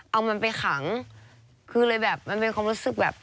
เอามันไปขังคือเลยแบบมันเป็นความรู้สึกแบบ